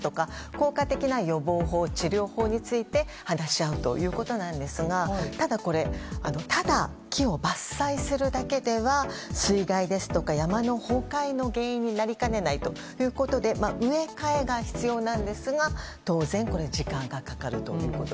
効果的な予防法、治療法について話し合うということなんですがただ、木を伐採するだけでは水害ですとか山の崩壊の原因になりかねないということで植え替えが必要なんですが当然、時間がかかると。